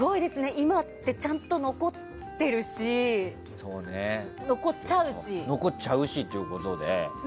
今ってちゃんと残ってるし残っちゃうしってことで。